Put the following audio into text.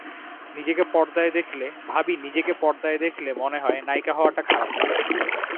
নিজেকে পর্দায় দেখলে ভাবিনিজেকে পর্দায় দেখলে মনে হয়, নায়িকা হওয়াটা খারাপ না।